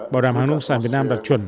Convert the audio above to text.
bảo đảm hàng lông sản việt nam đạt chuẩn